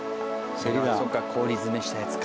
そっか氷詰めしたやつか。